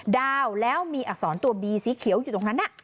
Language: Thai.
ดาวแล้วมีอักษรตัวบีสีเขียวอยู่ตรงนั้น